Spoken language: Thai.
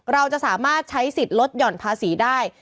เราจะสามารถใช้สิทธิ์ลดหย่อนภาษีได้